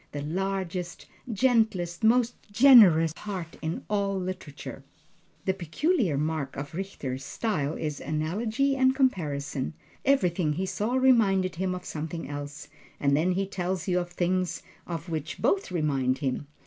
The largest, gentlest, most generous heart in all literature! The peculiar mark of Richter's style is analogy and comparison; everything he saw reminded him of something else, and then he tells you of things of which both remind him.